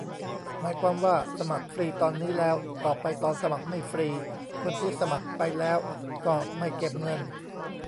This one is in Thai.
หมายความว่า สมัครฟรีตอนนี้แล้ว ต่อไปตอนสมัครไม่ฟรี คนที่สมัครไปแล้วก็ไม่เก็บเงิน ?